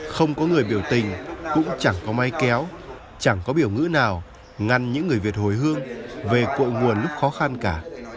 không có người biểu tình cũng chẳng có máy kéo chẳng có biểu ngữ nào ngăn những người việt hồi hương về cội nguồn lúc khó khăn cả